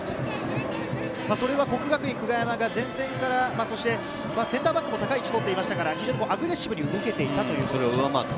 それを國學院久我山の前線からセンターバックも高い位置を取っていましたから、アグレッシブに動けていたという。